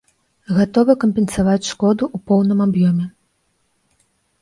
Гатовы кампенсаваць шкоду ў поўным аб'ёме.